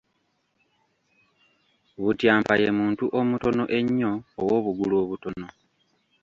Butyampa ye muntu omutono ennyo ow’obugulu obutono.